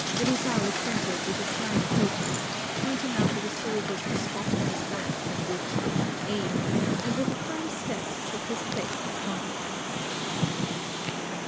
Rizal assented with a slight protest, pointed out to the soldiers the spot in his back at which they should aim, and with a firm step took his place in front of them.